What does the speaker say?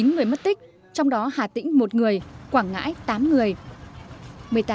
chín người mất tích trong đó hà tĩnh một người quảng ngãi tám người